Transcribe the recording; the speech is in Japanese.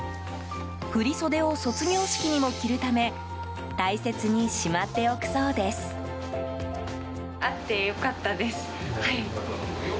振り袖を卒業式にも着るため大切にしまっておくそうです。